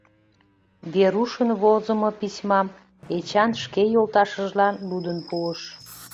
Верушын возымо письмам Эчан шке йолташыжлан лудын пуыш.